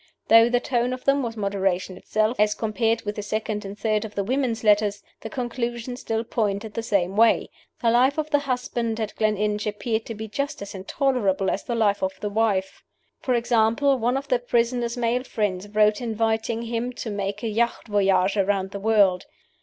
Though the tone of them was moderation itself as compared with the second and third of the women's letters, the conclusion still pointed the same way. The life of the husband at Gleninch appeared to be just as intolerable as the life of the wife. For example, one of the prisoner's male friends wrote inviting him to make a yacht voyage around the world.